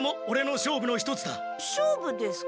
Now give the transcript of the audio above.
勝負ですか？